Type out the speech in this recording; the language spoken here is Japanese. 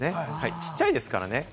ちっちゃいですからね。